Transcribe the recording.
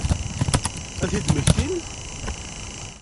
Ad t-id-mmektin?